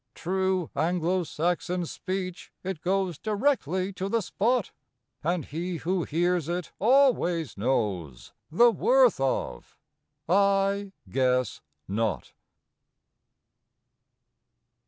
True Anglo Saxon speech, it goes Directly to the spot, And he who hears it always knows The worth of "I guess not!"